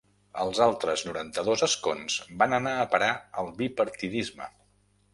Els altres noranta-dos escons van anar a parar al bipartidisme.